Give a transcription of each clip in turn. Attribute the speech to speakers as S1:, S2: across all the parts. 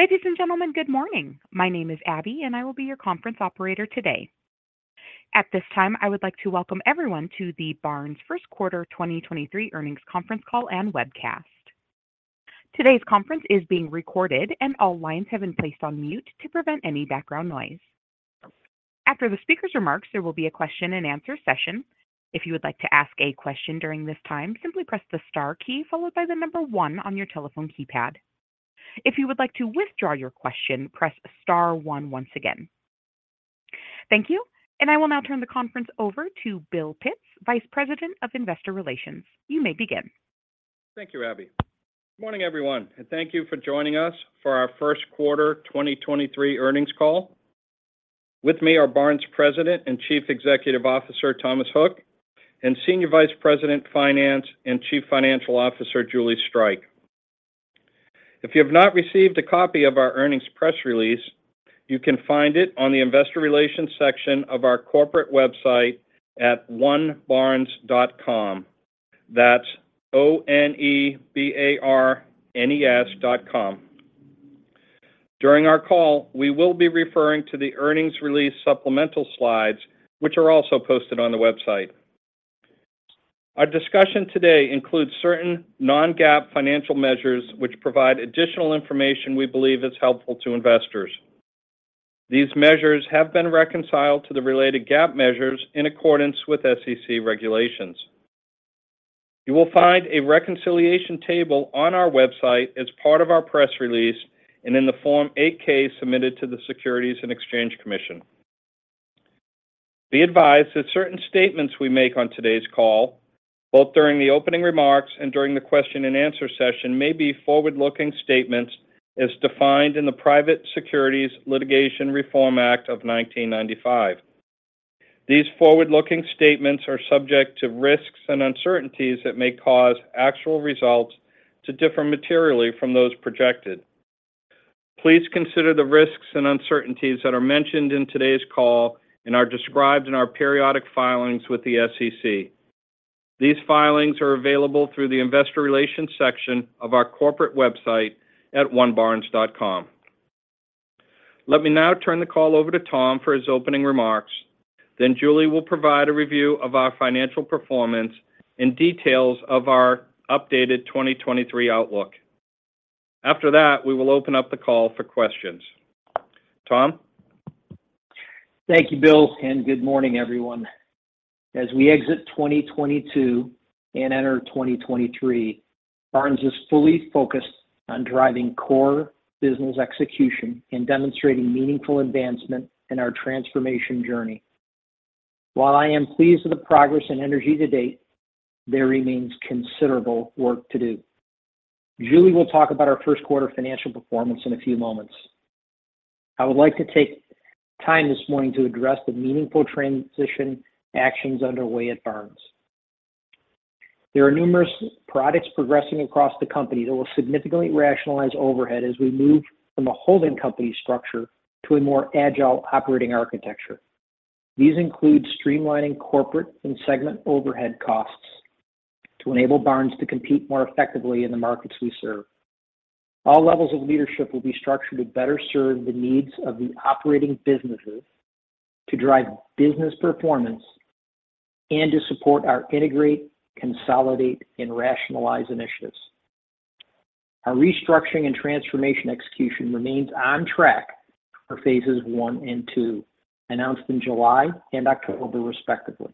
S1: Ladies and gentlemen, good morning. My name is Abby. I will be your conference operator today. At this time, I would like to welcome everyone to the Barnes Q1 2023 Earnings Conference Call and Webcast. Today's conference is being recorded. All lines have been placed on mute to prevent any background noise. After the speaker's remarks, there will be a question-and-answer session. If you would like to ask a question during this time, simply press the star key followed by the one on your telephone keypad. If you would like to withdraw your question, press star one once again. Thank you. I will now turn the conference over to Bill Pitts, Vice President, Investor Relations. You may begin.
S2: Thank you, Abby. Good morning, everyone, and thank you for joining us for our Q1 2023 earnings call. With me are Barnes President and Chief Executive Officer, Thomas Hook, and Senior Vice President, Finance and Chief Financial Officer, Julie Streich. If you have not received a copy of our earnings press release, you can find it on the investor relations section of our corporate website at onebarnes.com. That's O-N-E-B-A-R-N-E-S dot com. During our call, we will be referring to the earnings release supplemental slides, which are also posted on the website. Our discussion today includes certain non-GAAP financial measures which provide additional information we believe is helpful to investors. These measures have been reconciled to the related GAAP measures in accordance with SEC regulations. You will find a reconciliation table on our website as part of our press release and in the Form 8-K submitted to the Securities and Exchange Commission. Be advised that certain statements we make on today's call, both during the opening remarks and during the question-and-answer session, may be forward-looking statements as defined in the Private Securities Litigation Reform Act of 1995. These forward-looking statements are subject to risks and uncertainties that may cause actual results to differ materially from those projected. Please consider the risks and uncertainties that are mentioned in today's call and are described in our periodic filings with the SEC. These filings are available through the investor relations section of our corporate website at onebarnes.com. Let me now turn the call over to Tom for his opening remarks. Julie will provide a review of our financial performance and details of our updated 2023 outlook. After that, we will open up the call for questions. Tom?
S3: Thank you, Bill. Good morning, everyone. As we exit 2022 and enter 2023, Barnes is fully focused on driving core business execution and demonstrating meaningful advancement in our transformation journey. While I am pleased with the progress and energy to date, there remains considerable work to do. Julie will talk about our Q1 financial performance in a few moments. I would like to take time this morning to address the meaningful transition actions underway at Barnes. There are numerous products progressing across the company that will significantly rationalize overhead as we move from a holding company structure to a more agile operating architecture. These include streamlining corporate and segment overhead costs to enable Barnes to compete more effectively in the markets we serve. All levels of leadership will be structured to better serve the needs of the operating businesses to drive business performance and to support our integrate, consolidate, and rationalize initiatives. Our restructuring and transformation execution remains on track for phases one and two, announced in July and October respectively.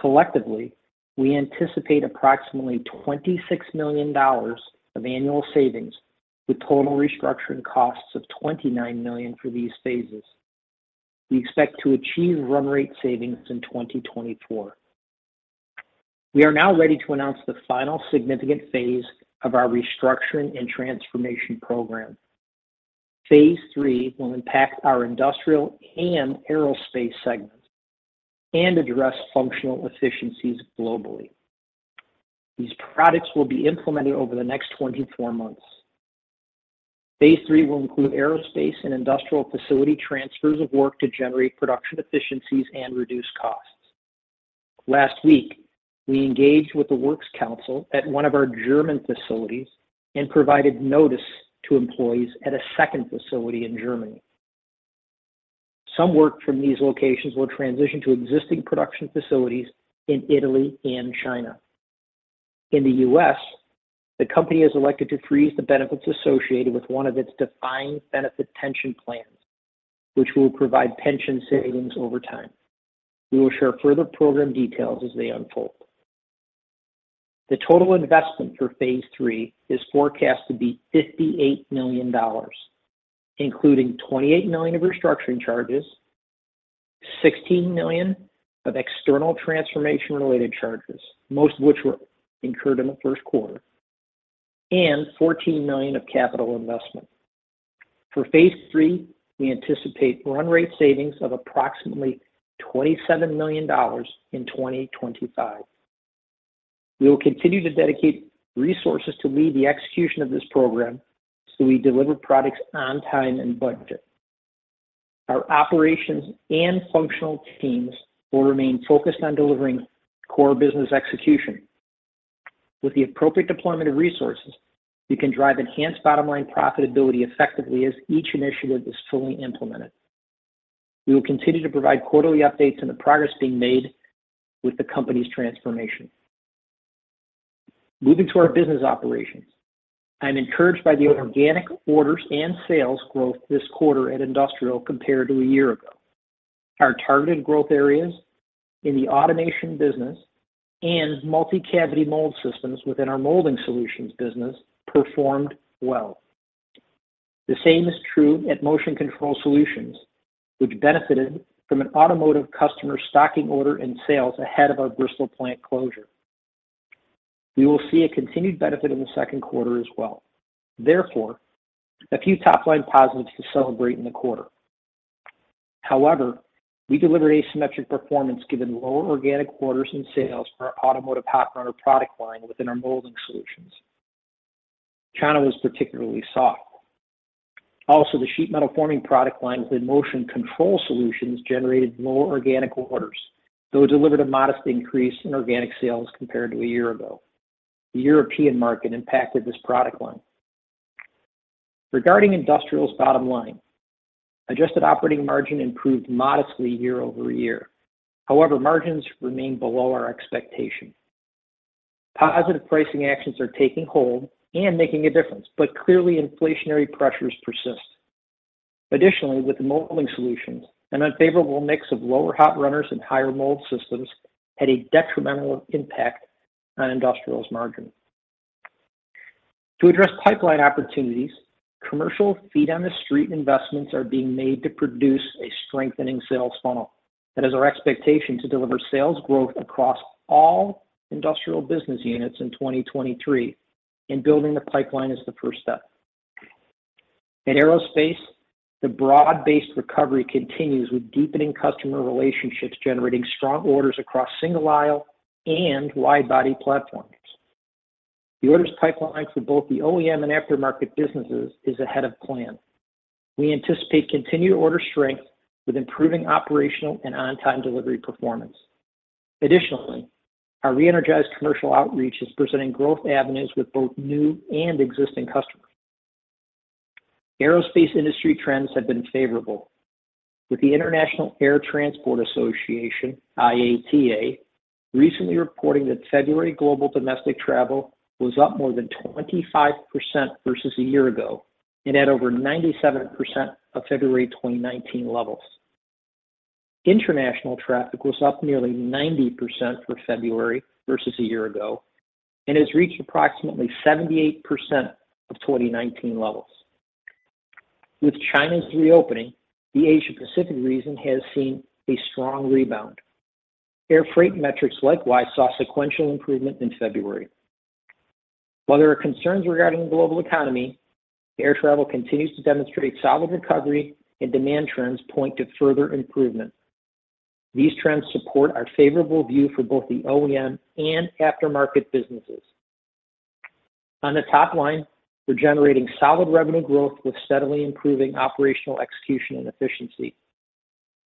S3: Collectively, we anticipate approximately $26 million of annual savings with total restructuring costs of $29 million for these phases. We expect to achieve run rate savings in 2024. We are now ready to announce the final significant phase of our restructuring and transformation program. Phase III will impact our industrial and aerospace segments and address functional efficiencies globally. These products will be implemented over the next 24 months. Phase III will include aerospace and industrial facility transfers of work to generate production efficiencies and reduce costs. Last week, we engaged with the Works Council at one of our German facilities and provided notice to employees at a second facility in Germany. Some work from these locations will transition to existing production facilities in Italy and China. In the US, the company has elected to freeze the benefits associated with one of its defined benefit pension plans, which will provide pension savings over time. We will share further program details as they unfold. The total investment for phase III is forecast to be $58 million, including $28 million of restructuring charges, $16 million of external transformation-related charges, most of which were incurred in the Q1, and $14 million of capital investment. For phase III, we anticipate run rate savings of approximately $27 million in 2025. We will continue to dedicate resources to lead the execution of this program. We deliver products on time and budget. Our operations and functional teams will remain focused on delivering core business execution. With the appropriate deployment of resources, we can drive enhanced bottom line profitability effectively as each initiative is fully implemented. We will continue to provide quarterly updates on the progress being made with the company's transformation. Moving to our business operations. I'm encouraged by the organic orders and sales growth this quarter at Industrial compared to a year ago. Our targeted growth areas in the Automation business and multi-cavity mold systems within our Molding Solutions business performed well. The same is true at Motion Control Solutions, which benefited from an automotive customer stocking order in sales ahead of our Bristol plant closure. We will see a continued benefit in the Q2 as well. Therefore, a few top-line positives to celebrate in the quarter. We delivered asymmetric performance given lower organic orders and sales for our automotive hot runner product line within our Molding Solutions. China was particularly soft. The sheet metal forming product line within Motion Control Solutions generated more organic orders, though it delivered a modest increase in organic sales compared to a year ago. The European market impacted this product line. Regarding Industrial's bottom line, adjusted operating margin improved modestly year-over-year. Margins remain below our expectation. Positive pricing actions are taking hold and making a difference, but clearly inflationary pressures persist. With Molding Solutions, an unfavorable mix of lower hot runners and higher mold systems had a detrimental impact on Industrial's margin. To address pipeline opportunities, commercial feet-on-the-street investments are being made to produce a strengthening sales funnel. It is our expectation to deliver sales growth across all Industrial business units in 2023. Building the pipeline is the first step. At Aerospace, the broad-based recovery continues with deepening customer relationships generating strong orders across single aisle and wide-body platforms. The orders pipelines for both the OEM and aftermarket businesses is ahead of plan. We anticipate continued order strength with improving operational and on-time delivery performance. Additionally, our re-energized commercial outreach is presenting growth avenues with both new and existing customers. Aerospace industry trends have been favorable, with the International Air Transport Association, IATA, recently reporting that February global domestic travel was up more than 25% versus a year ago and at over 97% of February 2019 levels. International traffic was up nearly 90% for February versus a year ago and has reached approximately 78% of 2019 levels. With China's reopening, the Asia-Pacific region has seen a strong rebound. Air freight metrics likewise saw sequential improvement in February. While there are concerns regarding the global economy, air travel continues to demonstrate solid recovery and demand trends point to further improvement. These trends support our favorable view for both the OEM and aftermarket businesses. On the top line, we're generating solid revenue growth with steadily improving operational execution and efficiency.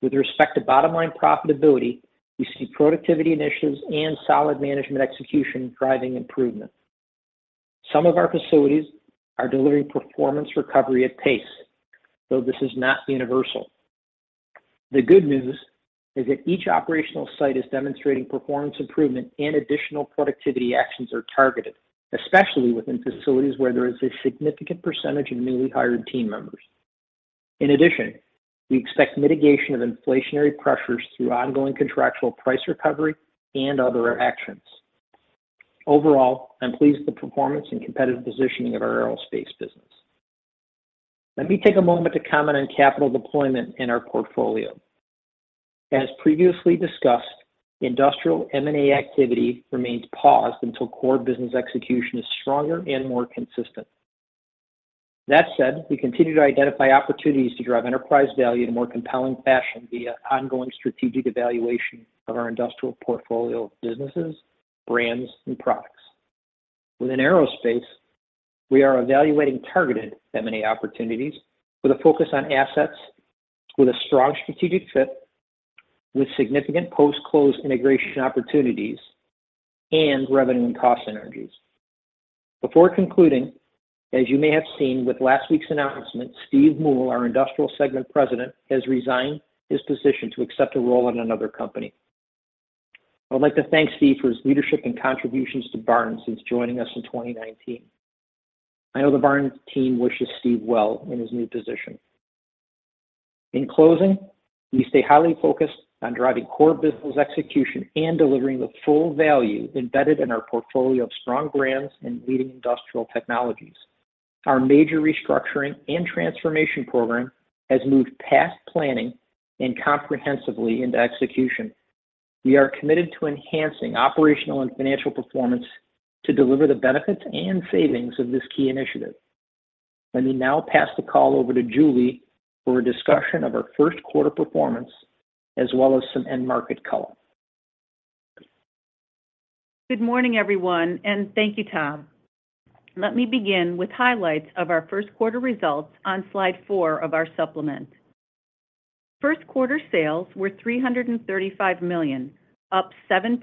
S3: With respect to bottom line profitability, we see productivity initiatives and solid management execution driving improvement. Some of our facilities are delivering performance recovery at pace, though this is not universal. The good news is that each operational site is demonstrating performance improvement and additional productivity actions are targeted, especially within facilities where there is a significant percentage of newly hired team members. In addition, we expect mitigation of inflationary pressures through ongoing contractual price recovery and other actions. Overall, I'm pleased with the performance and competitive positioning of our Aerospace business. Let me take a moment to comment on capital deployment in our portfolio. As previously discussed, Industrial M&A activity remains paused until core business execution is stronger and more consistent. That said, we continue to identify opportunities to drive enterprise value in a more compelling fashion via ongoing strategic evaluation of our Industrial portfolio of businesses, brands, and products. Within Aerospace, we are evaluating targeted M&A opportunities with a focus on assets with a strong strategic fit with significant post-close integration opportunities and revenue and cost synergies. Before concluding, as you may have seen with last week's announcement, Stephen Moule, our Industrial Segment President, has resigned his position to accept a role in another company. I would like to thank Steph for his leadership and contributions to Barnes since joining us in 2019. I know the Barnes team wishes Steph well in his new position. In closing, we stay highly focused on driving core business execution and delivering the full value embedded in our portfolio of strong brands and leading industrial technologies. Our major restructuring and transformation program has moved past planning and comprehensively into execution. We are committed to enhancing operational and financial performance to deliver the benefits and savings of this key initiative. Let me now pass the call over to Julie for a discussion of our Q1 performance as well as some end market color.
S4: Good morning, everyone, and thank you, Tom. Let me begin with highlights of our Q1 results on slide four of our supplement. Q1 sales were $335 million, up 7%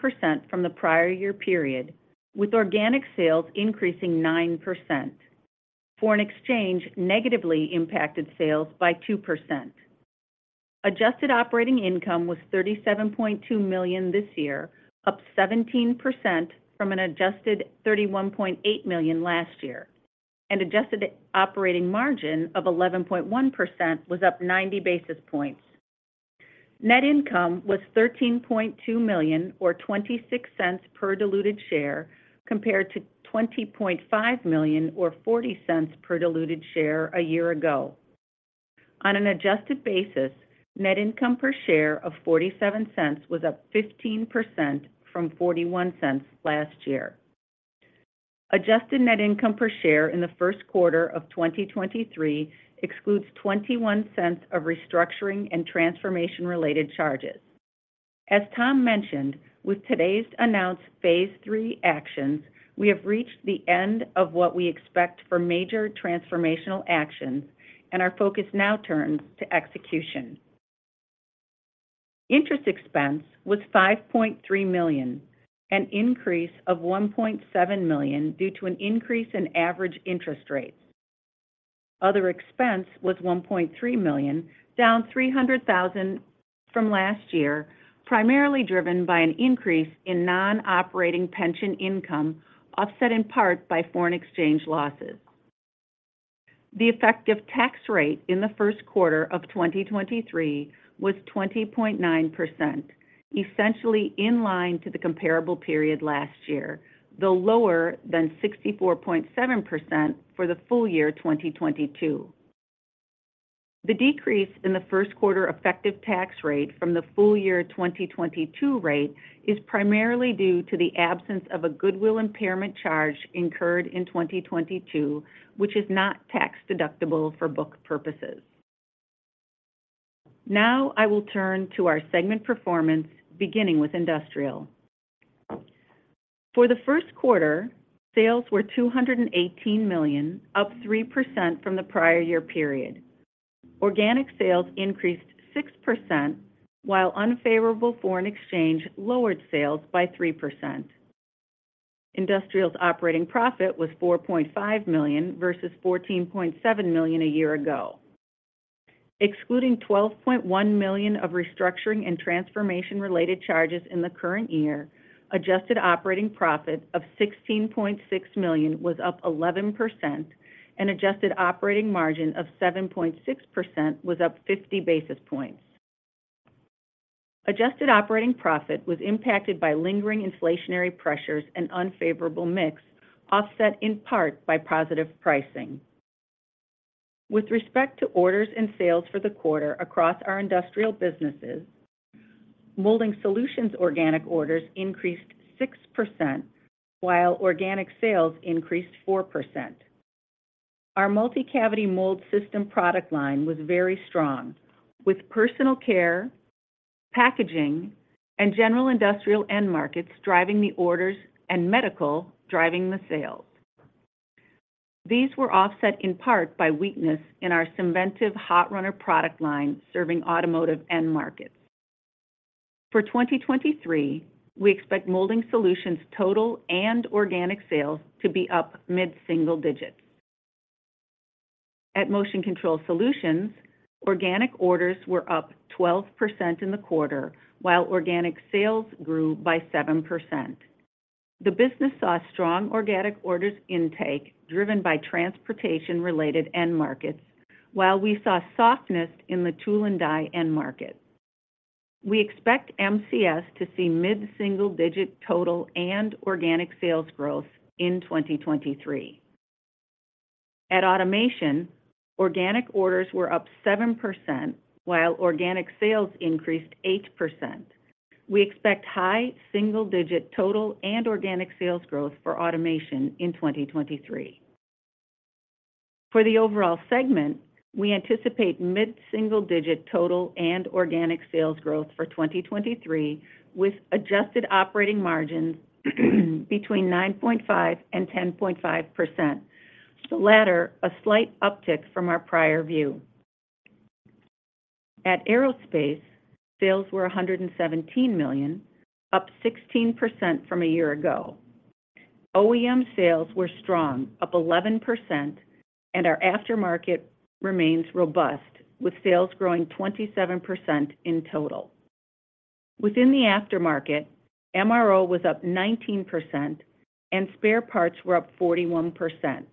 S4: from the prior year period, with organic sales increasing 9%. Foreign exchange negatively impacted sales by 2%. Adjusted operating income was $37.2 million this year, up 17% from an adjusted $31.8 million last year. Adjusted operating margin of 11.1% was up 90 basis points. Net income was $13.2 million or $0.26 per diluted share compared to $20.5 million or $0.40 per diluted share a year ago. On an adjusted basis, net income per share of $0.47 was up 15% from $0.41 last year. Adjusted net income per share in the Q1 of 2023 excludes $0.21 of restructuring and transformation-related charges. As Tom mentioned, with today's announced phase III actions, we have reached the end of what we expect for major transformational actions. Our focus now turns to execution. Interest expense was $5.3 million, an increase of $1.7 million due to an increase in average interest rates. Other expense was $1.3 million, down $300,000 from last year, primarily driven by an increase in non-operating pension income, offset in part by foreign exchange losses. The effective tax rate in the Q1 of 2023 was 20.9%, essentially in line to the comparable period last year, though lower than 64.7% for the full year 2022. The decrease in the Q1 effective tax rate from the full year 2022 rate is primarily due to the absence of a goodwill impairment charge incurred in 2022, which is not tax-deductible for book purposes. I will turn to our segment performance, beginning with Industrial. For the Q1, sales were $218 million, up 3% from the prior year period. Organic sales increased 6%, while unfavorable foreign exchange lowered sales by 3%. Industrial's operating profit was $4.5 million versus $14.7 million a year ago. Excluding $12.1 million of restructuring and transformation-related charges in the current year, adjusted operating profit of $16.6 million was up 11%, and adjusted operating margin of 7.6% was up 50 basis points. Adjusted operating profit was impacted by lingering inflationary pressures and unfavorable mix, offset in part by positive pricing. With respect to orders and sales for the quarter across our Industrial businesses, Molding Solutions organic orders increased 6%, while organic sales increased 4%. Our multi-cavity mold system product line was very strong, with personal care, packaging, and general industrial end markets driving the orders and medical driving the sales. These were offset in part by weakness in our Synventive hot runner product line serving automotive end markets. For 2023, we expect Molding Solutions total and organic sales to be up mid-single digits. At Motion Control Solutions, organic orders were up 12% in the quarter, while organic sales grew by 7%. The business saw strong organic orders intake driven by transportation-related end markets, while we saw softness in the tool and die end market. We expect MCS to see mid-single-digit total and organic sales growth in 2023. At Automation, organic orders were up 7%, while organic sales increased 8%. We expect high single-digit total and organic sales growth for Automation in 2023. For the overall segment, we anticipate mid-single-digit total and organic sales growth for 2023, with adjusted operating margins between 9.5% and 10.5%, the latter a slight uptick from our prior view. At Aerospace, sales were $117 million, up 16% from a year ago. OEM sales were strong, up 11%. Our aftermarket remains robust, with sales growing 27% in total. Within the aftermarket, MRO was up 19%, and spare parts were up 41%.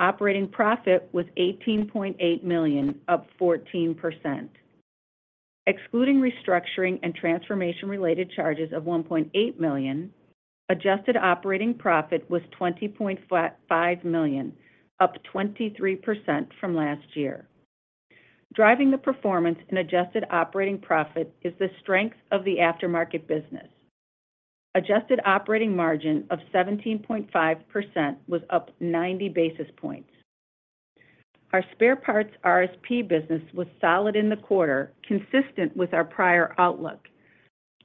S4: Operating profit was $18.8 million, up 14%. Excluding restructuring and transformation-related charges of $1.8 million, adjusted operating profit was $20.5 million, up 23% from last year. Driving the performance in adjusted operating profit is the strength of the aftermarket business. Adjusted operating margin of 17.5% was up 90 basis points. Our spare parts RSP business was solid in the quarter, consistent with our prior outlook.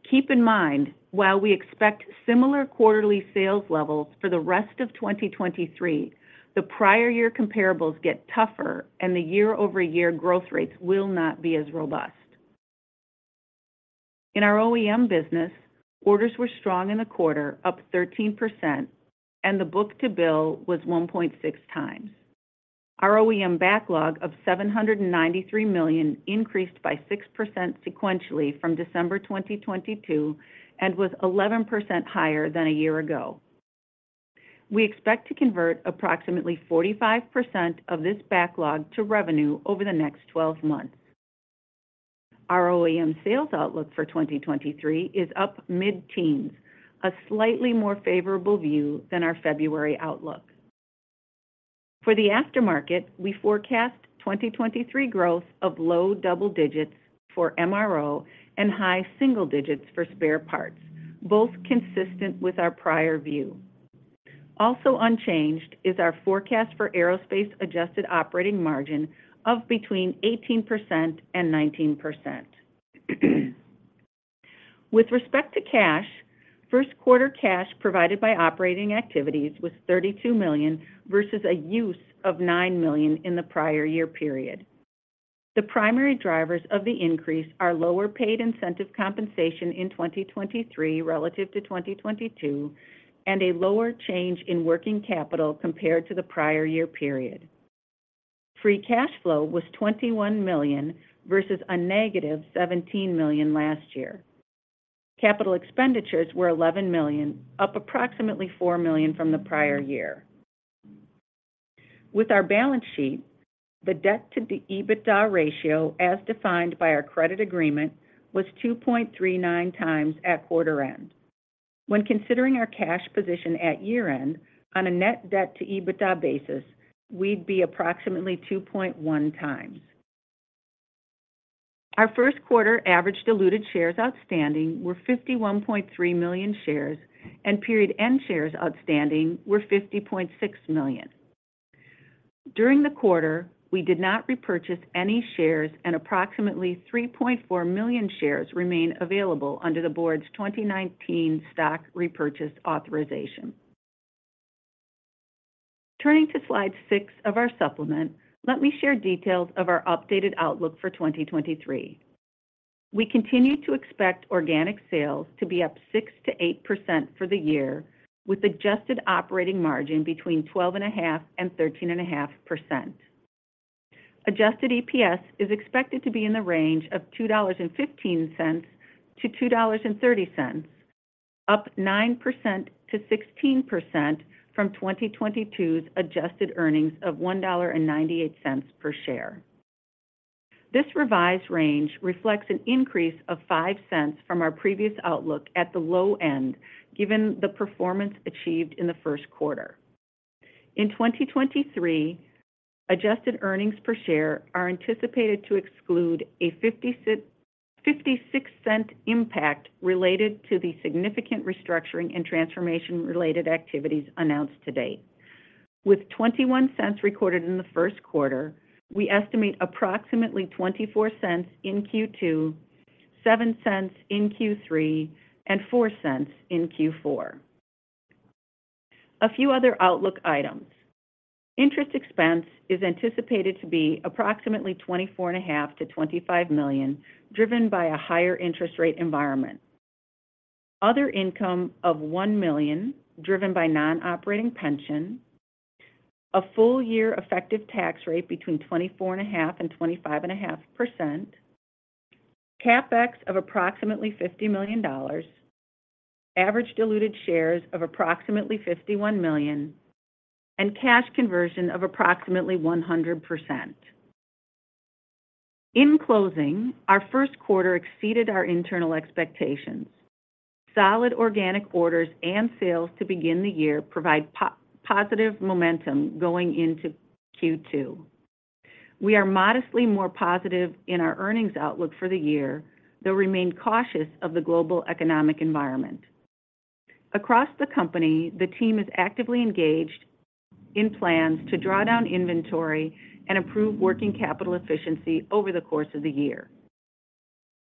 S4: Keep in mind, while we expect similar quarterly sales levels for the rest of 2023, the prior year comparables get tougher and the year-over-year growth rates will not be as robust. In our OEM business, orders were strong in the quarter, up 13%, and the book-to-bill was 1.6x. Our OEM backlog of $793 million increased by 6% sequentially from December 2022 and was 11% higher than a year ago. We expect to convert approximately 45% of this backlog to revenue over the next 12 months. Our OEM sales outlook for 2023 is up mid-teens, a slightly more favorable view than our February outlook. For the aftermarket, we forecast 2023 growth of low double digits for MRO and high single digits for spare parts, both consistent with our prior view. Unchanged is our forecast for aerospace adjusted operating margin of between 18% and 19%. With respect to cash, Q1 cash provided by operating activities was $32 million versus a use of $9 million in the prior year period. The primary drivers of the increase are lower paid incentive compensation in 2023 relative to 2022 and a lower change in working capital compared to the prior year period. Free cash flow was $21 million versus a negative $17 million last year. Capital expenditures were $11 million, up approximately $4 million from the prior year. With our balance sheet, the debt to the EBITDA ratio as defined by our credit agreement was 2.39x at quarter end. When considering our cash position at year-end on a net debt to EBITDA basis, we'd be approximately 2.1x. Our Q1 average diluted shares outstanding were 51.3 million shares, and period end shares outstanding were 50.6 million. During the quarter, we did not repurchase any shares, and approximately 3.4 million shares remain available under the board's 2019 stock repurchase authorization. Turning to slide 6 of our supplement, let me share details of our updated outlook for 2023. We continue to expect organic sales to be up 6%-8% for the year, with adjusted operating margin between 12.5% and 13.5%. Adjusted EPS is expected to be in the range of $2.15-$2.30, up 9%-16% from 2022's adjusted earnings of $1.98 per share. This revised range reflects an increase of $0.05 from our previous outlook at the low end, given the performance achieved in the Q1. In 2023, adjusted earnings per share are anticipated to exclude a $0.56 impact related to the significant restructuring and transformation related activities announced to date. With $0.21 recorded in the Q1, we estimate approximately $0.24 in Q2, $0.07 in Q3, and $0.04 in Q4. A few other outlook items. Interest expense is anticipated to be approximately $24.5 million-$25 million, driven by a higher interest rate environment. Other income of $1 million, driven by non-operating pension. A full year effective tax rate between 24.5% and 25.5%. CapEx of approximately $50 million. Average diluted shares of approximately 51 million, and cash conversion of approximately 100%. In closing, our Q1 exceeded our internal expectations. Solid organic orders and sales to begin the year provide positive momentum going into Q2. We are modestly more positive in our earnings outlook for the year, though remain cautious of the global economic environment. Across the company, the team is actively engaged in plans to draw down inventory and improve working capital efficiency over the course of the year.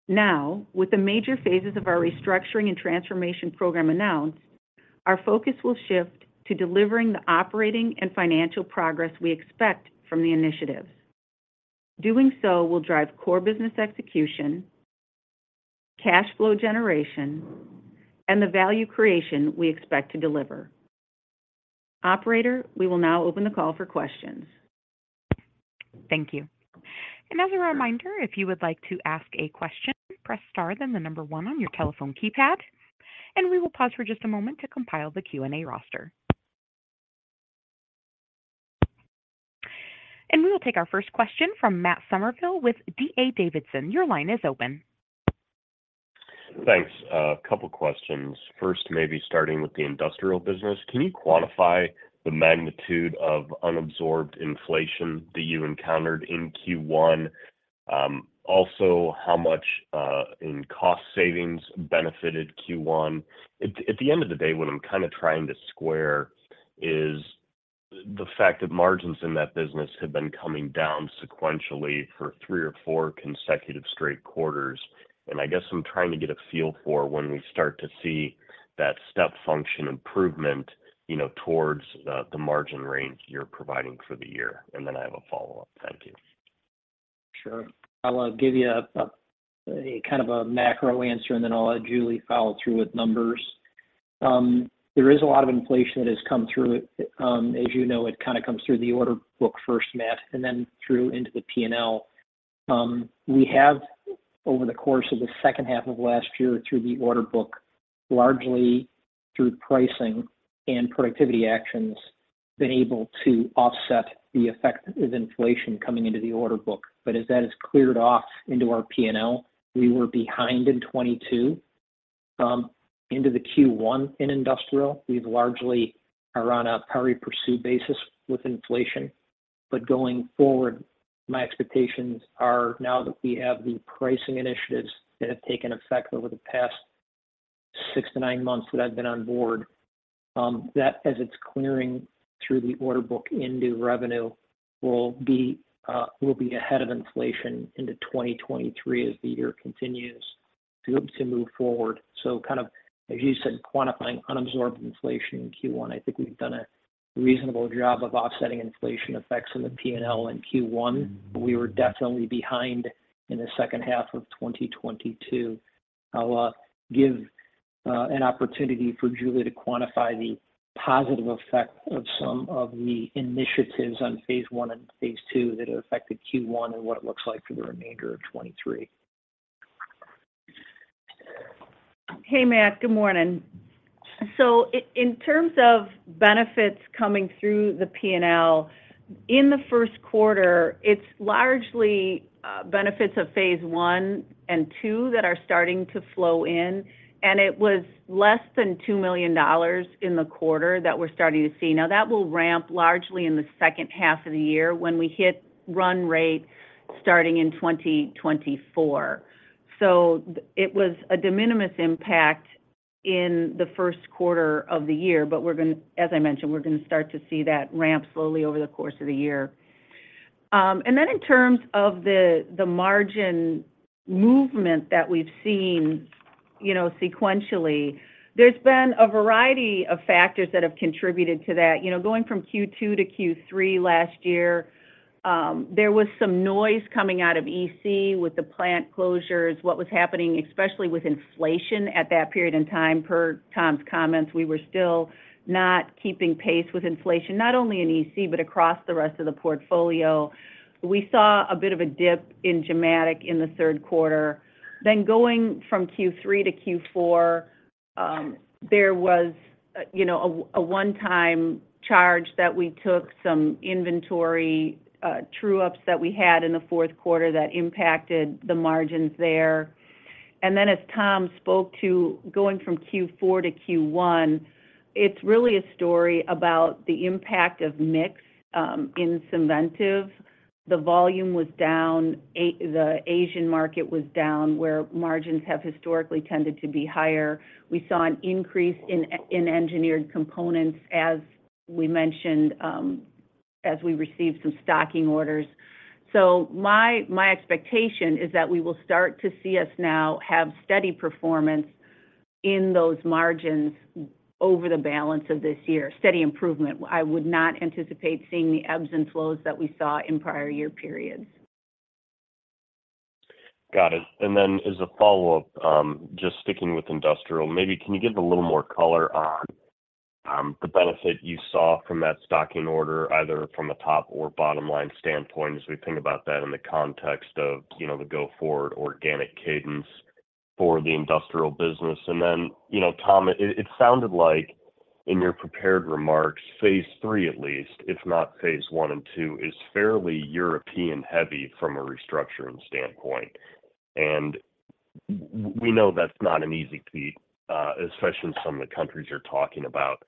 S4: Now, with the major phases of our restructuring and transformation program announced, our focus will shift to delivering the operating and financial progress we expect from the initiatives. Doing so will drive core business execution, cash flow generation, and the value creation we expect to deliver. Operator, we will now open the call for questions.
S1: Thank you. As a reminder, if you would like to ask a question, press star then one on your telephone keypad, and we will pause for just a moment to compile the Q&A roster. We will take our first question from Matt Summerville with D.A. Davidson. Your line is open.
S5: Thanks. A couple questions. First, maybe starting with the Industrial business. Can you quantify the magnitude of unabsorbed inflation that you encountered in Q1? Also how much in cost savings benefited Q1? At the end of the day, what I'm kinda trying to square is the fact that margins in that business have been coming down sequentially for three or four consecutive straight quarters. I guess I'm trying to get a feel for when we start to see that step function improvement, you know, towards the margin range you're providing for the year. I have a follow-up. Thank you.
S3: Sure. I'll give you a kind of a macro answer, and then I'll let Julie follow through with numbers. There is a lot of inflation that has come through. As you know, it kind of comes through the order book first, Matt, and then through into the P&L. We have, over the course of the second half of last year through the order book, largely through pricing and productivity actions, been able to offset the effect of inflation coming into the order book. As that has cleared off into our P&L, we were behind in 2022. Into the Q1 in Industrial, we've largely are on a parry pursue basis with inflation. Going forward, my expectations are now that we have the pricing initiatives that have taken effect over the past six-nine months that I've been on board that as it's clearing through the order book into revenue, we'll be ahead of inflation into 2023 as the year continues to move forward. Kind of, as you said, quantifying unabsorbed inflation in Q1, I think we've done a reasonable job of offsetting inflation effects in the P&L in Q1. We were definitely behind in the second half of 2022. I'll give an opportunity for Julie to quantify the positive effect of some of the initiatives on phase I and phase II that have affected Q1 and what it looks like for the remainder of 2023.
S4: Hey, Matt. Good morning. In terms of benefits coming through the P&L, in the Q1, it's largely, benefits of phase I and two that are starting to flow in, and it was less than $2 million in the quarter that we're starting to see. That will ramp largely in the second half of the year when we hit run rate starting in 2024. It was a de minimis impact in the Q1 of the year, but as I mentioned, we're gonna start to see that ramp slowly over the course of the year. In terms of the margin movement that we've seen, you know, sequentially, there's been a variety of factors that have contributed to that. You know, going from Q2 to Q3 last year, there was some noise coming out of EC with the plant closures, what was happening, especially with inflation at that period in time. Per Tom's comments, we were still not keeping pace with inflation, not only in EC, but across the rest of the portfolio. We saw a bit of a dip in Gimatic in the Q3. Going from Q3 to Q4, there was a one-time charge that we took, some inventory true ups that we had in the Q4 that impacted the margins there. As Tom spoke to going from Q4 to Q1, it's really a story about the impact of mix in Synventive. The volume was down. The Asian market was down, where margins have historically tended to be higher. We saw an increase in engineered components, as we mentioned, as we received some stocking orders. My expectation is that we will start to see us now have steady performance in those margins over the balance of this year. Steady improvement. I would not anticipate seeing the ebbs and flows that we saw in prior year periods.
S5: Got it. As a follow-up, just sticking with industrial, maybe can you give a little more color on the benefit you saw from that stocking order, either from a top or bottom line standpoint, as we think about that in the context of, you know, the go forward organic cadence for the industrial business? You know, Tom, it sounded like in your prepared remarks, phase III at least, if not phase I and two, is fairly European heavy from a restructuring standpoint. We know that's not an easy feat, especially in some of the countries you're talking about.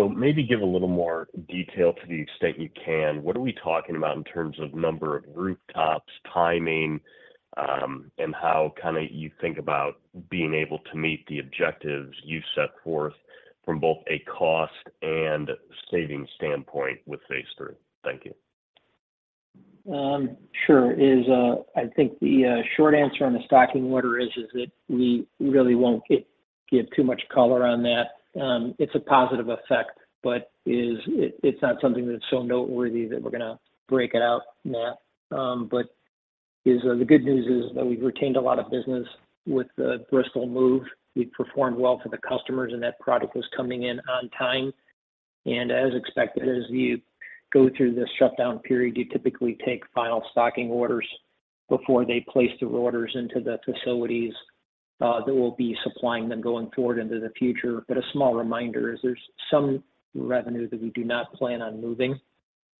S5: Maybe give a little more detail to the extent you can. What are we talking about in terms of number of rooftops, timing, how kinda you think about being able to meet the objectives you set forth from both a cost and saving standpoint with phase III? Thank you.
S3: Sure. I think the short answer on the stocking order is that we really won't give too much color on that. It's a positive effect, but it's not something that's so noteworthy that we're gonna break it out, Matt. The good news is that we've retained a lot of business with the Bristol move. We've performed well for the customers, and that product was coming in on time. As expected, as you go through the shutdown period, you typically take final stocking orders before they place the orders into the facilities that will be supplying them going forward into the future. A small reminder is there's some revenue that we do not plan on moving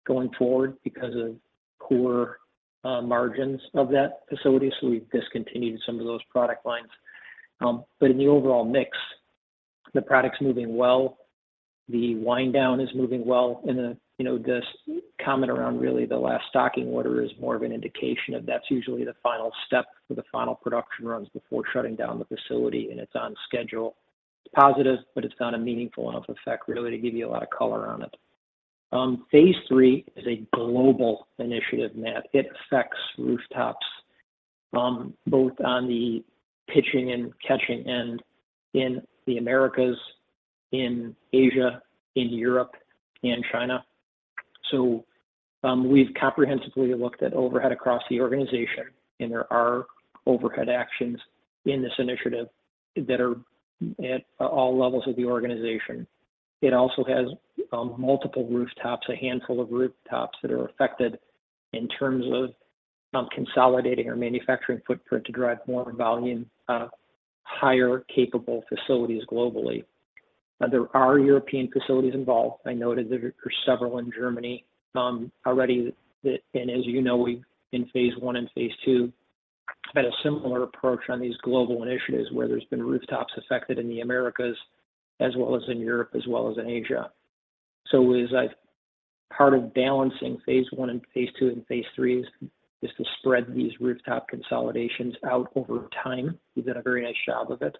S3: going forward because of poorer margins of that facility, so we've discontinued some of those product lines. In the overall mix. The product's moving well, the wind down is moving well, and the, you know, this comment around really the last stocking order is more of an indication of that's usually the final step for the final production runs before shutting down the facility, and it's on schedule. It's positive, it's not a meaningful enough effect really to give you a lot of color on it. Phase III is a global initiative, Matt. It affects rooftops, both on the pitching and catching end in the Americas, in Asia, in Europe, and China. We've comprehensively looked at overhead across the organization, and there are overhead actions in this initiative that are at all levels of the organization. It also has multiple rooftops, a handful of rooftops that are affected in terms of consolidating our manufacturing footprint to drive more volume, higher capable facilities globally. There are European facilities involved. I noted there are several in Germany already. As you know, we've, in phase I and phase II, had a similar approach on these global initiatives where there's been rooftops affected in the Americas as well as in Europe as well as in Asia. Part of balancing phase I and phase II and phase III is to spread these rooftop consolidations out over time. We've done a very nice job of it.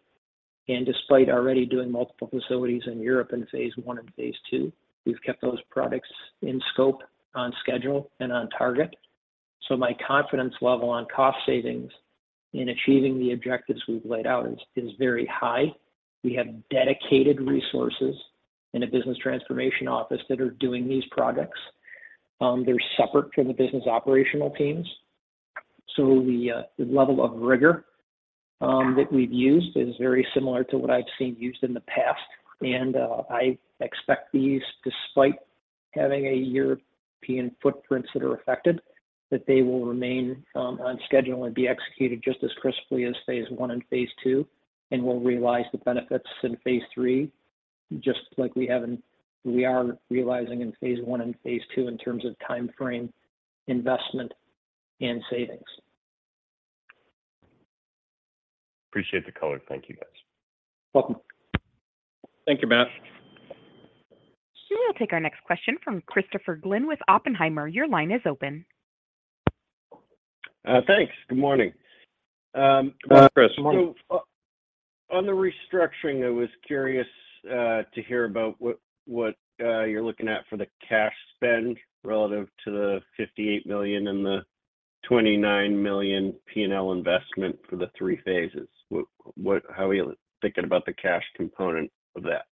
S3: Despite already doing multiple facilities in Europe in phase I and phase II, we've kept those products in scope on schedule and on target. My confidence level on cost savings in achieving the objectives we've laid out is very high. We have dedicated resources in a business transformation office that are doing these projects. They're separate from the business operational teams. The level of rigor that we've used is very similar to what I've seen used in the past. I expect these, despite having a European footprints that are affected, that they will remain on schedule and be executed just as crisply as phase I and phase II, and we'll realize the benefits in phase III, just like we are realizing in phase I and phase II in terms of timeframe, investment, and savings.
S5: Appreciate the color. Thank you, guys.
S3: Welcome.
S2: Thank you, Matt.
S1: We will take our next question from Christopher Glynn with Oppenheimer. Your line is open.
S6: Thanks. Good morning.
S3: Good morning, Chris.
S6: On the restructuring, I was curious to hear about what you're looking at for the cash spend relative to the $58 million and the $29 million P&L investment for the three phases. How are you thinking about the cash component of that?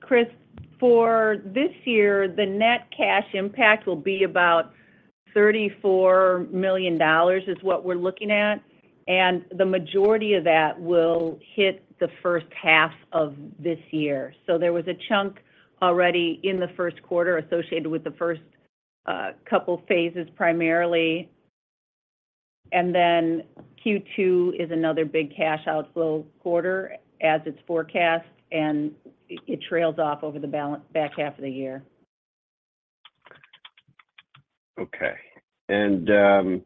S4: Chris, for this year, the net cash impact will be about $34 million is what we're looking at, and the majority of that will hit the first half of this year. There was a chunk already in the Q1 associated with the first couple phases primarily. Q2 is another big cash outflow quarter as it's forecast, and it trails off over the back half of the year.
S6: Okay. then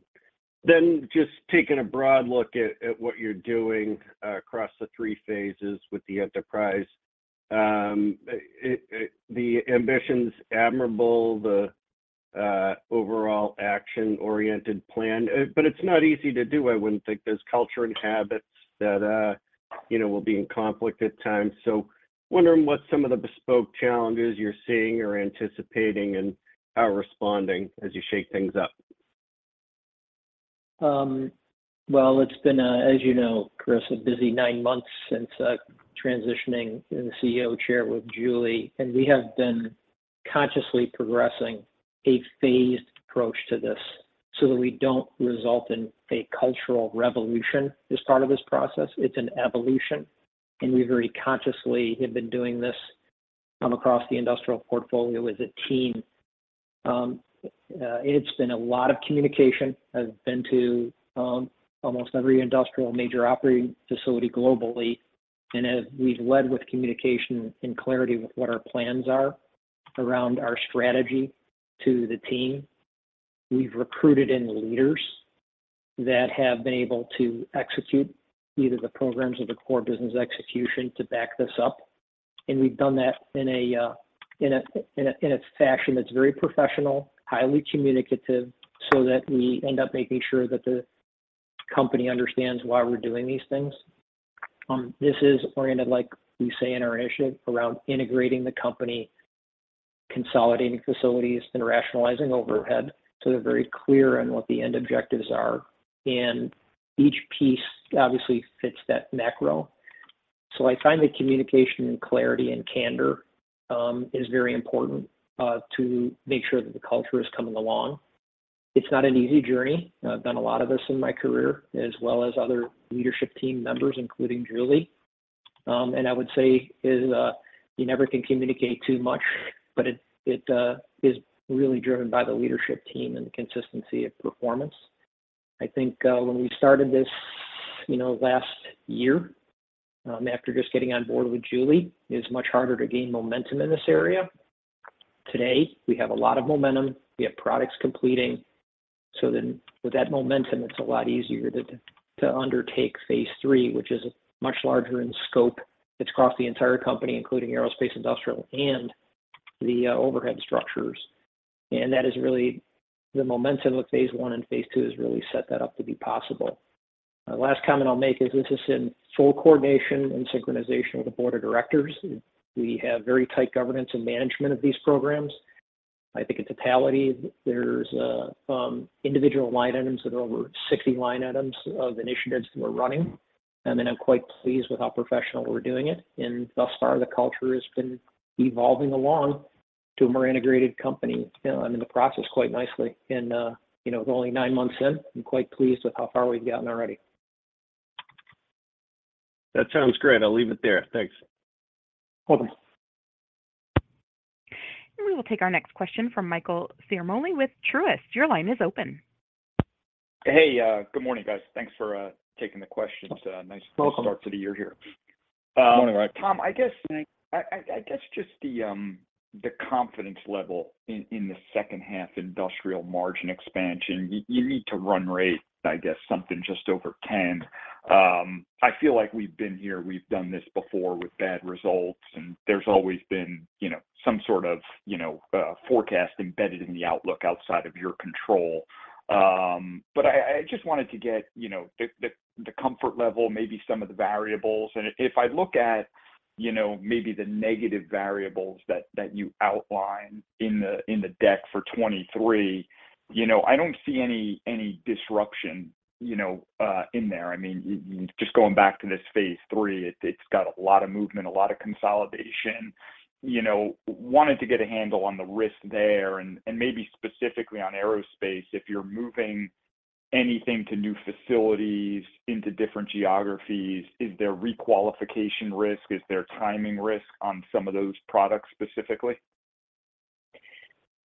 S6: just taking a broad look at what you're doing across the three phases with the enterprise, the ambition's admirable, the overall action-oriented plan, but it's not easy to do, I wouldn't think. There's culture and habits that, you know, will be in conflict at times. wondering what some of the bespoke challenges you're seeing or anticipating and how responding as you shake things up.
S3: Well, it's been, as you know, Chris, a busy nine months since transitioning in the CEO chair with Julie. We have been consciously progressing a phased approach to this so that we don't result in a cultural revolution as part of this process. It's an evolution. We very consciously have been doing this across the industrial portfolio as a team. It's been a lot of communication. I've been to almost every industrial major operating facility globally. As we've led with communication and clarity with what our plans are around our strategy to the team, we've recruited in leaders that have been able to execute either the programs or the core business execution to back this up. We've done that in a fashion that's very professional, highly communicative, so that we end up making sure that the company understands why we're doing these things. This is oriented, like we say in our initiative, around integrating the company, consolidating facilities, and rationalizing overhead. They're very clear on what the end objectives are, and each piece obviously fits that macro. I find the communication and clarity and candor is very important to make sure that the culture is coming along. It's not an easy journey. I've done a lot of this in my career, as well as other leadership team members, including Julie. I would say is, you never can communicate too much, but it is really driven by the leadership team and the consistency of performance. I think, when we started this, you know, last year, after just getting on board with Julie, it's much harder to gain momentum in this area. Today, we have a lot of momentum. We have products completing. With that momentum, it's a lot easier to undertake phase III, which is much larger in scope. It's across the entire company, including aerospace, industrial, and the overhead structures. That is really the momentum with phase I and phase II has really set that up to be possible. Last comment I'll make is this is in full coordination and synchronization with the board of directors. We have very tight governance and management of these programs. I think in totality, there's individual line items that are over 60 line items of initiatives that we're running. I'm quite pleased with how professional we're doing it. Thus far, the culture has been evolving along to a more integrated company, you know, and in the process quite nicely. You know, with only nine months in, I'm quite pleased with how far we've gotten already.
S6: That sounds great. I'll leave it there. Thanks.
S3: Welcome.
S1: We will take our next question from Michael Ciarmoli with Truist. Your line is open.
S7: Hey, good morning, guys. Thanks for taking the questions.
S3: Welcome.
S7: start to the year here.
S3: Good morning, Mike.
S7: Tom,
S3: Thanks.
S7: I guess just the confidence level in the second half industrial margin expansion, you need to run rate, I guess, something just over 10%. I feel like we've been here, we've done this before with bad results, and there's always been, you know, some sort of, you know, forecast embedded in the outlook outside of your control. I just wanted to get, you know, the comfort level, maybe some of the variables. If I look at, you know, maybe the negative variables that you outline in the deck for 2023, you know, I don't see any disruption in there. I mean, just going back to this phase III, it's got a lot of movement, a lot of consolidation. You know, wanted to get a handle on the risk there and maybe specifically on aerospace, if you're moving anything to new facilities into different geographies, is there re-qualification risk? Is there timing risk on some of those products specifically?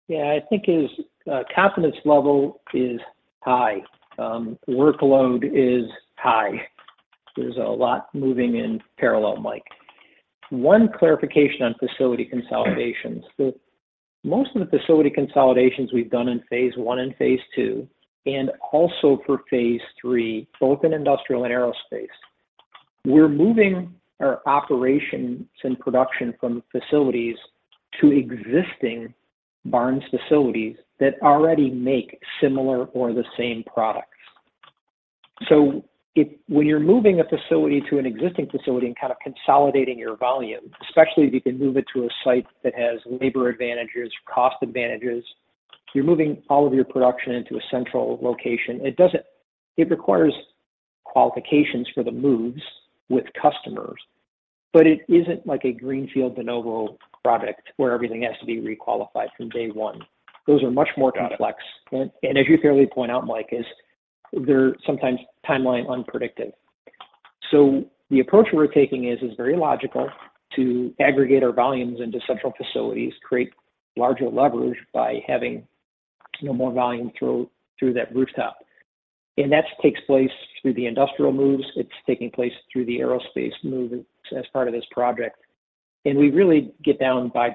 S3: Yeah. I think his confidence level is high. Workload is high. There's a lot moving in parallel, Mike. One clarification on facility consolidations. Most of the facility consolidations we've done in phase I and phase II, and also for phase III, both in industrial and aerospace, we're moving our operations and production from facilities to existing Barnes facilities that already make similar or the same products. If when you're moving a facility to an existing facility and kind of consolidating your volume, especially if you can move it to a site that has labor advantages, cost advantages, you're moving all of your production into a central location. It requires qualifications for the moves with customers, but it isn't like a greenfield de novo product where everything has to be re-qualified from day one. Those are much more-
S7: Got it.
S3: complex. As you fairly point out, Mike, they're sometimes timeline unpredicted. The approach we're taking is very logical to aggregate our volumes into central facilities, create larger leverage by having, you know, more volume through that rooftop. That takes place through the industrial moves. It's taking place through the aerospace moves as part of this project. We really get down by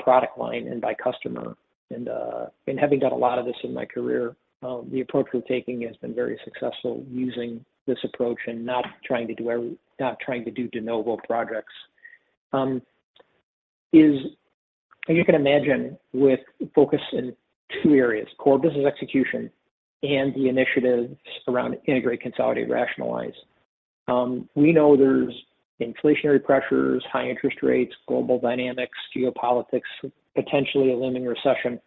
S3: product line and by customer. Having done a lot of this in my career, the approach we're taking has been very successful using this approach and not trying to do de novo projects. You can imagine with focus in 2 areas, core business execution and the initiatives around integrate, consolidate, rationalize. We know there's inflationary pressures, high interest rates, global dynamics, geopolitics, potentially a looming recession.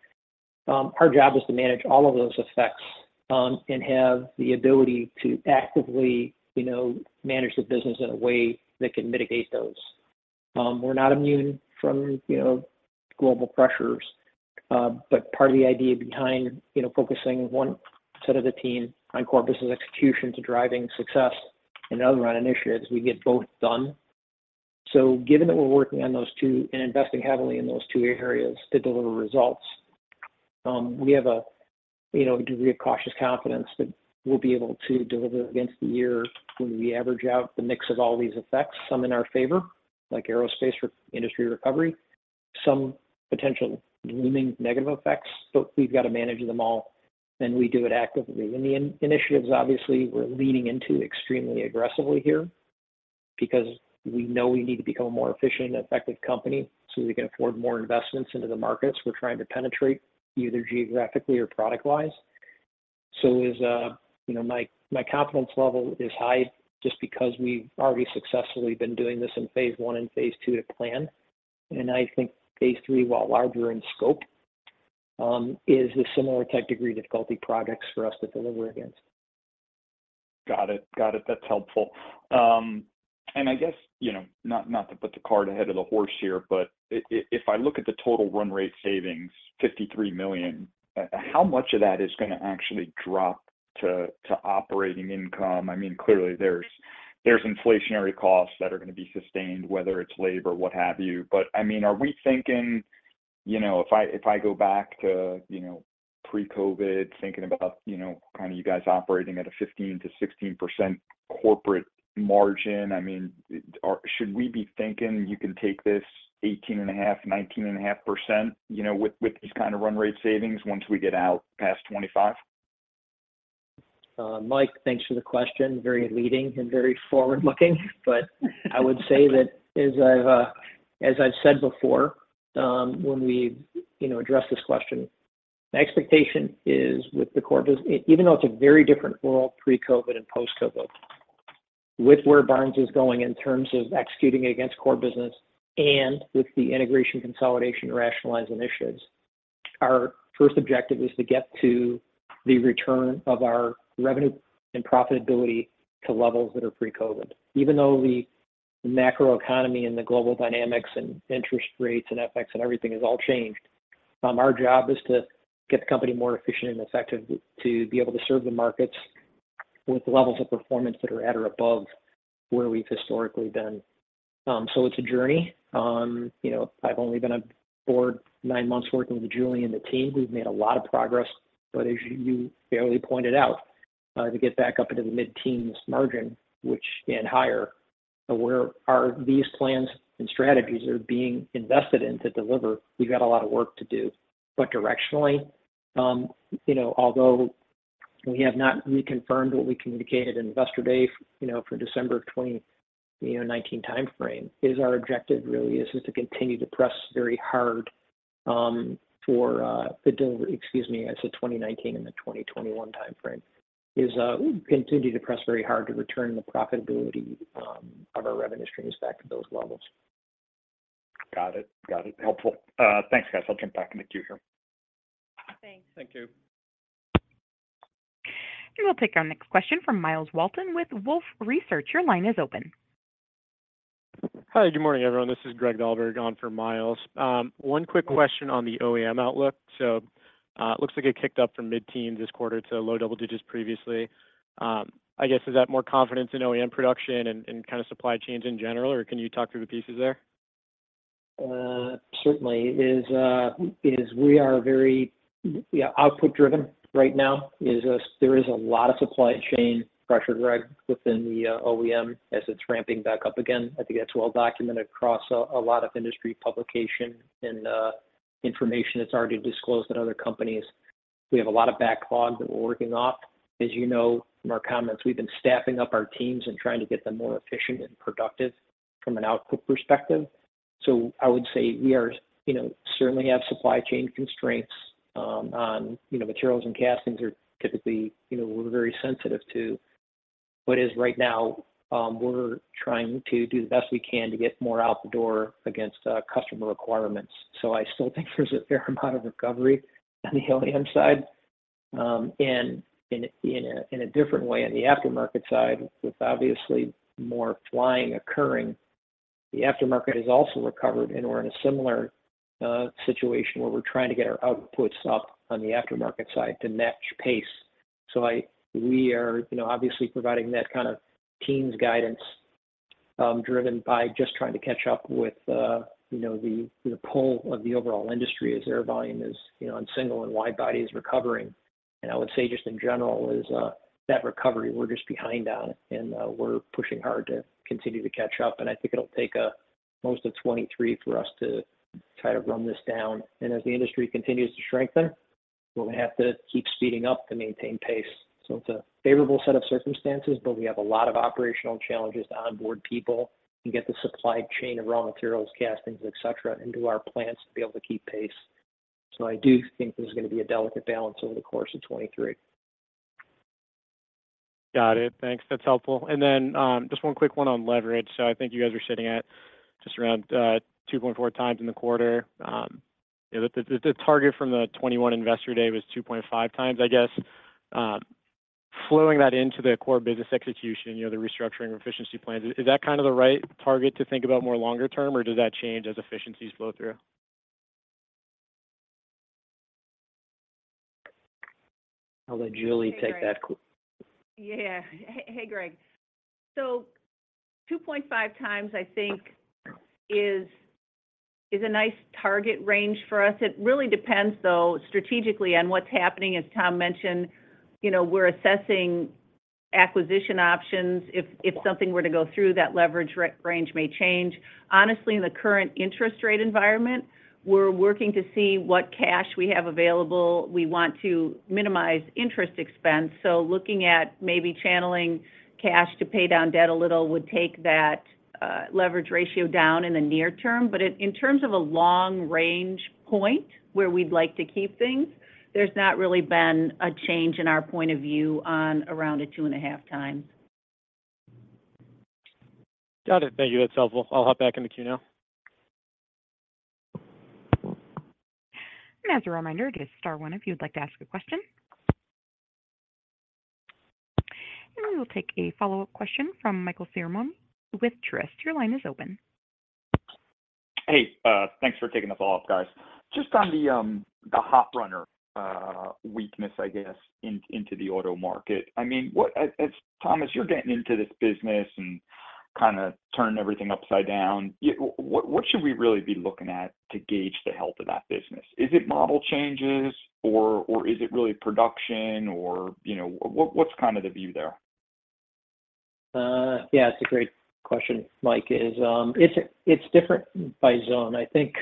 S3: Our job is to manage all of those effects and have the ability to actively manage the business in a way that can mitigate those. We're not immune from global pressures, part of the idea behind focusing one set of the team on core business execution to driving success and other on initiatives, we get both done. Given that we're working on those two and investing heavily in those two areas to deliver results, we have a degree of cautious confidence that we'll be able to deliver against the year when we average out the mix of all these effects, some in our favor, like aerospace or industry recovery, some potential looming negative effects, but we've got to manage them all, and we do it actively. The initiatives, obviously, we're leaning into extremely aggressively here because we know we need to become a more efficient and effective company, so we can afford more investments into the markets we're trying to penetrate, either geographically or product-wise. Is, you know, my confidence level is high just because we've already successfully been doing this in phase I and phase II to plan. I think phase III, while larger in scope, is a similar type degree difficulty projects for us to deliver against.
S7: Got it. That's helpful. I guess, you know, not to put the cart ahead of the horse here, but if I look at the total run rate savings, $53 million, how much of that is gonna actually drop to operating income? I mean, clearly, there's inflationary costs that are gonna be sustained, whether it's labor, what have you. I mean, should we be thinking you can take this 18.5%-19.5%, you know, with these kind of run rate savings once we get out past 2025?
S3: Mike, thanks for the question. Very leading and very forward-looking. I would say that as I've, as I've said before, when we, you know, address this question, the expectation is with the core business even though it's a very different world pre-COVID and post-COVID, with where Barnes is going in terms of executing against core business and with the integration, consolidation, rationalizing initiatives, our first objective is to get to the return of our revenue and profitability to levels that are pre-COVID. Even though the macroeconomy and the global dynamics and interest rates and FX and everything has all changed, our job is to get the company more efficient and effective to be able to serve the markets with levels of performance that are at or above where we've historically been. So it's a journey. You know, I've only been aboard nine months working with Julie and the team. We've made a lot of progress. As you fairly pointed out, to get back up into the mid-teens margin, which, and higher, where are these plans and strategies are being invested in to deliver, we've got a lot of work to do. Directionally, you know, although we have not reconfirmed what we communicated in Investor Day for December of 2019 timeframe, is our objective really is to continue to press very hard for, excuse me, I said 2019, in the 2021 timeframe, we continue to press very hard to return the profitability, of our revenue streams back to those levels.
S7: Got it. Got it. Helpful. Thanks, guys. I'll jump back in the queue here.
S4: Thanks.
S7: Thank you.
S1: We'll take our next question from Myles Walton with Wolfe Research. Your line is open.
S8: Hi, good morning, everyone. This is Greg Dahlberg on for Myles. One quick question on the OEM outlook. It looks like it kicked up from mid-teen this quarter to low double digits previously. I guess, is that more confidence in OEM production and kind of supply chains in general, or can you talk through the pieces there?
S3: Certainly. We are very output driven right now, there is a lot of supply chain pressure, Greg, within the OEM as it's ramping back up again. I think that's well documented across a lot of industry publication and information that's already disclosed at other companies. We have a lot of backlogs that we're working off. As you know from our comments, we've been staffing up our teams and trying to get them more efficient and productive from an output perspective. I would say we are, you know, certainly have supply chain constraints on, you know, materials and castings are typically, you know, we're very sensitive to. As right now, we're trying to do the best we can to get more out the door against customer requirements. I still think there's a fair amount of recovery on the OEM side. In a, in a, in a different way on the aftermarket side, with obviously more flying occurring, the aftermarket has also recovered, and we're in a similar situation where we're trying to get our outputs up on the aftermarket side to match pace. We are, you know, obviously providing that kind of teens guidance, driven by just trying to catch up with, you know, the pull of the overall industry as air volume is, you know, on single- and wide-body is recovering. I would say just in general is, that recovery, we're just behind on, and we're pushing hard to continue to catch up. I think it'll take most of 2023 for us to try to run this down. As the industry continues to strengthen, we're gonna have to keep speeding up to maintain pace. It's a favorable set of circumstances, but we have a lot of operational challenges to onboard people and get the supply chain of raw materials, castings, et cetera, into our plants to be able to keep pace. I do think there's gonna be a delicate balance over the course of 2023.
S9: Got it. Thanks. That's helpful. Just one quick one on leverage. I think you guys are sitting at just around 2.4. in the quarter. You know, the, the target from the 2021 Investor Day was 2.5x. I guess, flowing that into the core business execution, you know, the restructuring or efficiency plans, is that kind of the right target to think about more longer term, or does that change as efficiencies flow through?
S3: I'll let Julie take that.
S4: Yeah. Greg. 2.5x, I think, is a nice target range for us. It really depends, though, strategically on what's happening. As Tom mentioned, you know, we're assessing acquisition options. If something were to go through, that leverage range may change. Honestly, in the current interest rate environment, we're working to see what cash we have available. We want to minimize interest expense. Looking at maybe channeling cash to pay down debt a little would take that leverage ratio down in the near term. In terms of a long range point where we'd like to keep things, there's not really been a change in our point of view on around a 2.5x.
S9: Got it. Thank you. That's helpful. I'll hop back in the queue now.
S1: As a reminder, it is star one if you'd like to ask a question. We will take a follow-up question from Michael Ciarmoli with Truist. Your line is open.
S7: Hey, thanks for taking the call, guys. Just on the hot runner weakness, I guess, into the auto market. I mean, Thomas, you're getting into this business, and kind of turned everything upside down. Yeah, what should we really be looking at to gauge the health of that business? Is it model changes or is it really production or, you know, what's kind of the view there?
S3: Yeah, it's a great question, Mike. Is, it's different by zone. I think,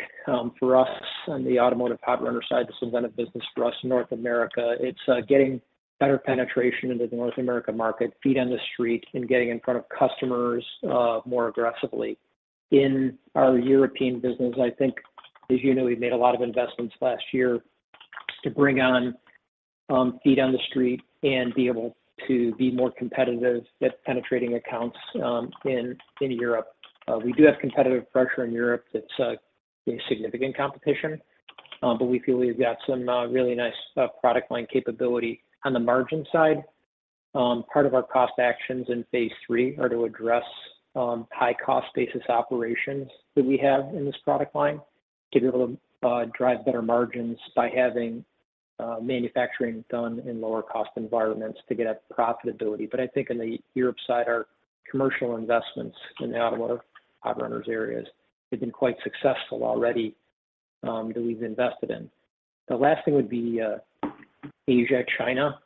S3: for us on the automotive hot runner side, this has been a business for us in North America. It's getting better penetration into the North America market, feet on the street, and getting in front of customers more aggressively. In our European business, I think as you know, we've made a lot of investments last year to bring on feet on the street and be able to be more competitive at penetrating accounts in Europe. We do have competitive pressure in Europe that's significant competition. We feel we've got some really nice product line capability. On the margin side, part of our cost actions in phase III are to address high-cost basis operations that we have in this product line to be able to drive better margins by having manufacturing done in lower cost environments to get at profitability. I think on the Europe side, our commercial investments in the automotive hot runners areas have been quite successful already that we've invested in. The last thing would be Asia, China.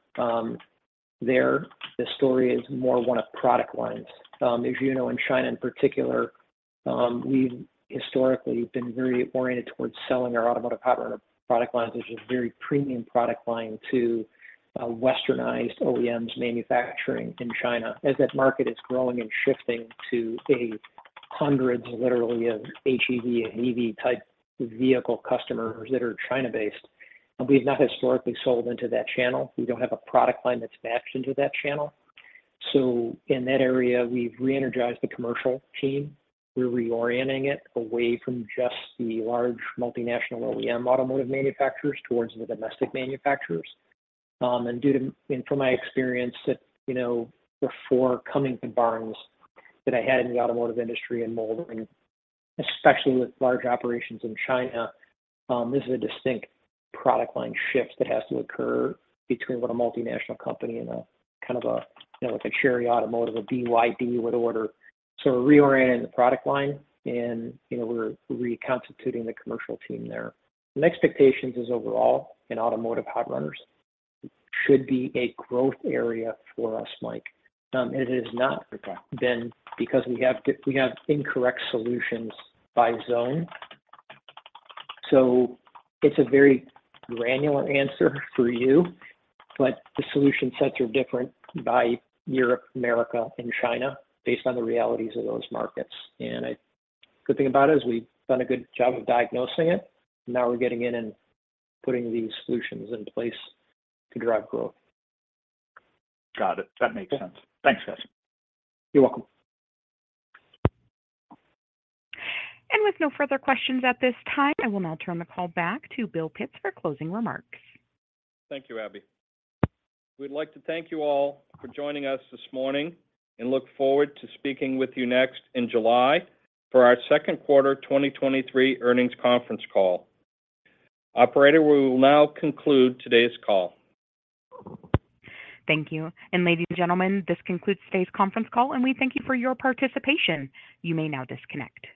S3: There, the story is more one of product lines. As you know, in China in particular, we've historically been very oriented towards selling our automotive hot runner product lines, which is a very premium product line to Westernized OEMs manufacturing in China. As that market is growing and shifting to a 100s literally of HEV and EV type vehicle customers that are China-based, we've not historically sold into that channel. We don't have a product line that's matched into that channel. In that area, we've re-energized the commercial team. We're reorienting it away from just the large multinational OEM automotive manufacturers towards the domestic manufacturers. From my experience at, you know, before coming to Barnes that I had in the automotive industry and molding, especially with large operations in China, this is a distinct product line shift that has to occur between what a multinational company and a kind of a, you know, like a Chery Automotive, a BYD would order. We're reorienting the product line and, you know, we're reconstituting the commercial team there. Expectations is overall in automotive hot runners should be a growth area for us, Mike. It has not been because we have incorrect solutions by zone. It's a very granular answer for you, but the solution sets are different by Europe, America, and China based on the realities of those markets. A good thing about it is we've done a good job of diagnosing it. Now we're getting in and putting these solutions in place to drive growth.
S7: Got it. That makes sense. Thanks, guys.
S3: You're welcome.
S1: With no further questions at this time, I will now turn the call back to Bill Pitts for closing remarks.
S2: Thank you, Abby. We'd like to thank you all for joining us this morning and look forward to speaking with you next in July for our Q2 2023 earnings conference call. Operator, we will now conclude today's call.
S1: Thank you. Ladies and gentlemen, this concludes today's conference call, and we thank you for your participation. You may now disconnect.